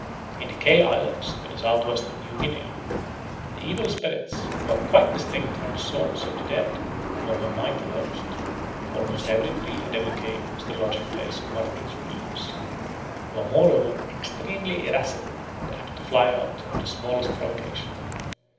In the Kei Islands to the south west of New Guinea, the evil spirits, who are quite distinct from the souls of the dead, form a mighty host. Almost every tree and every cave is the lodging place of one of these fiends, who are moreover extremely irascible and apt to fly out on the smallest provocation.